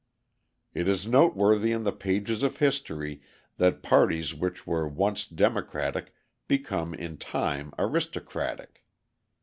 It is noteworthy in the pages of history that parties which were once democratic become in time aristocratic.